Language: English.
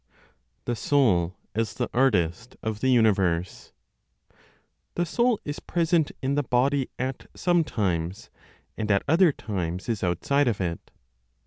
THE SOUL AS THE ARTIST OF THE UNIVERSE. The soul is present in the body at some times, and at other times, is outside of it.